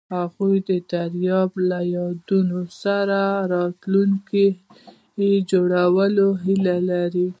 هغوی د دریاب له یادونو سره راتلونکی جوړولو هیله لرله.